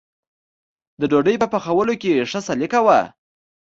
د ډوډۍ په برابرولو کې ښه سلیقه وه.